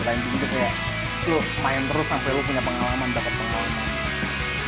dirinding itu kayak lo main terus sampai lo punya pengalaman dapet pengalaman